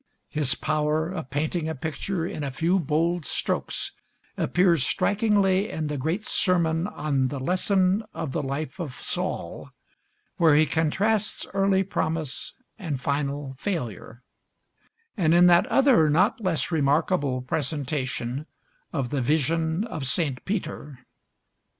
His power of painting a picture in a few bold strokes appears strikingly in the great sermon on the 'Lesson of the Life of Saul,' where he contrasts early promise and final failure; and in that other not less remarkable presentation of the vision of Saint Peter.